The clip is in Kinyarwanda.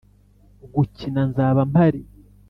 gukina, nzaba mpari.